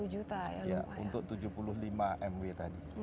untuk tujuh puluh lima mw tadi